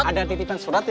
ada titipan surat ini